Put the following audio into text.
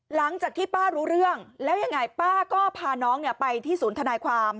หลังจากที่ป้ารู้เรื่องแล้วยังไงป้าก็พาน้องไปที่ศูนย์ธนายความ